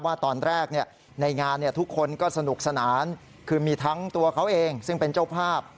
ว่าตอนแรกในงานทุกคนก็สนุกสนานคือมีทั้งตัวเขาเองซึ่งเป็นเจ้าภาพ